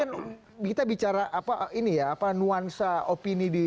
ini yang penting bagaimana